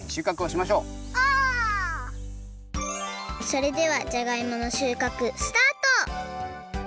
それではじゃがいもの収穫スタート！